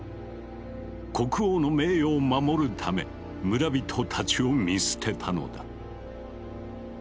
国王の名誉を守るため村人たちを見捨てたのだ。